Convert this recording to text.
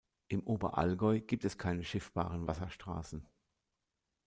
Im Oberallgäu gibt es keine schiffbaren Wasserstraßen.